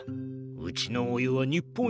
うちのお湯は日本一よ。